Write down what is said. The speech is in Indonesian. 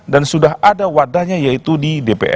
dan sudah ada wadahnya yaitu di dpr